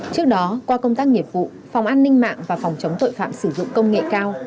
trước đó qua công tác nghiệp vụ phòng an ninh mạng và phòng chống tội phạm sử dụng công nghệ cao